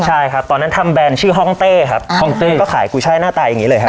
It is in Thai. ใช่ครับตอนนั้นทำแบรนด์ชื่อห้องเต้ครับห้องเต้ก็ขายกุ้ยช่ายหน้าตาอย่างนี้เลยครับ